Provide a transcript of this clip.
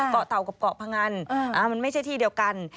เกาะเต่ากับเกาะพงันมันไม่ใช่ที่เดียวกัน